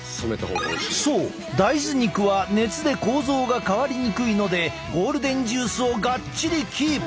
そう大豆肉は熱で構造が変わりにくいのでゴールデンジュースをがっちりキープ！